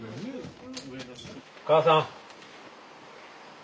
母さん。